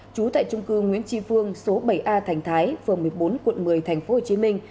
trú tại trung cư nguyễn tri phương số bảy a thành thái phường một mươi bốn quận một mươi tp hcm